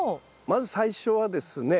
まず最初はですね